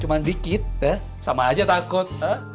cuman dikit sama aja takut